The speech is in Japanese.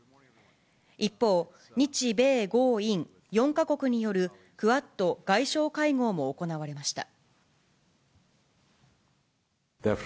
一方、日米豪印４か国によるクアッド外相会合も行われました。